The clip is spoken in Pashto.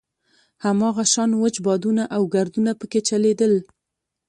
هماغه شان وچ بادونه او ګردونه په کې چلېدل.